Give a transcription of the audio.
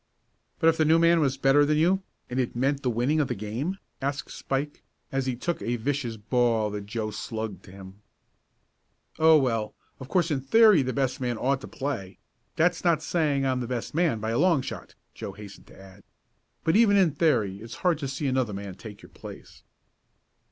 "But if the new man was better than you, and it meant the winning of the game?" asked Spike, as he took a vicious ball that Joe slugged to him. "Oh, well, of course in theory the best man ought to play that's not saying I'm the best man by a long shot!" Joe hastened to add; "but even in theory it's hard to see another man take your place."